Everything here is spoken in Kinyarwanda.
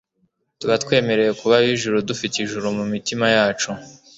Tuba twemerewe kuba ab'ijuru, dufite ijuru mu mitima yacu.